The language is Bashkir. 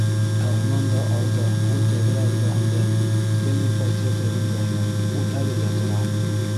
Ә унан да алда һул тәҙрә эргәһендә Ленин портреты эленгәйне, ул әле лә тора...